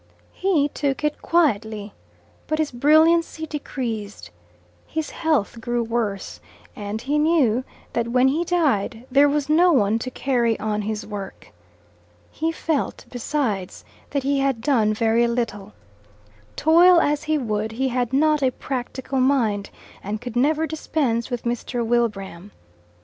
He took it quietly, but his brilliancy decreased. His health grew worse, and he knew that when he died there was no one to carry on his work. He felt, besides, that he had done very little. Toil as he would, he had not a practical mind, and could never dispense with Mr. Wilbraham.